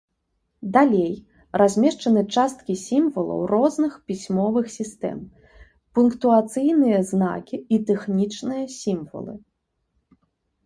Далей размешчаны часткі сімвалаў розных пісьмовых сістэм, пунктуацыйныя знакі і тэхнічныя сімвалы.